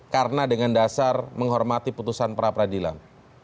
karena dengan dasar menghormati putusan pra pradilan